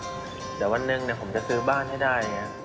เดี๋ยววันหนึ่งผมจะซื้อบ้านให้ได้